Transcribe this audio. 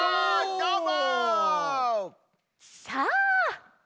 どーも？